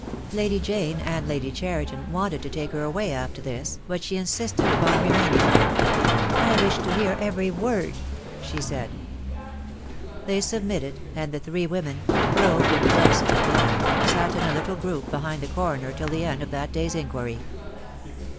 I 27 Lady Jane and Lady Cheriton wanted to take her away after this, but she insisted upon remaining. "I wish to hear every word," she said. They submitted, and the three women, robed in densest black, sat in a little group behind the Coroner till the end of that day's inquiry.